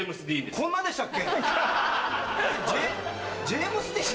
こんなでしたっけ？